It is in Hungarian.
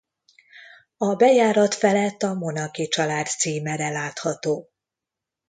A bejárat felett a Monaky-család címere látható.